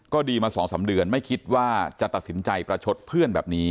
ก็ดีมา๒๓เดือนไม่คิดว่าจะตัดสินใจประชดเพื่อนแบบนี้